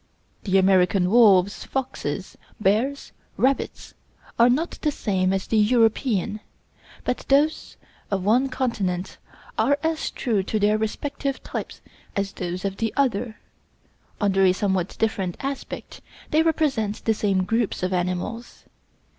The American wolves, foxes, bears, rabbits, are not the same as the European. but those of one continent are as true to their respective types as those of the other; under a somewhat different aspect they represent the same groups of animals.